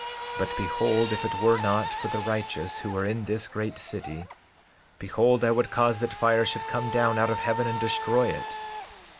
But behold, if it were not for the righteous who are in this great city, behold, I would cause that fire should come down out of heaven and destroy it.